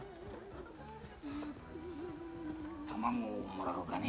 卵をもらおうかね。